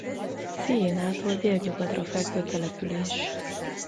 Sienától délnyugatra fekvő település.